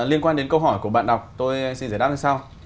liên quan đến câu hỏi của bạn đọc tôi xin giải đáp như sau